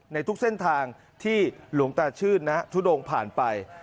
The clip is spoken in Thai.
ในทุกเส้นทางที่หลวงตาชื่นนะทุดงผ่านไป